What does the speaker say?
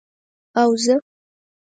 او زه،